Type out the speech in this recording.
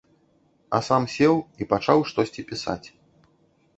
А сам сеў і пачаў штосьці пісаць.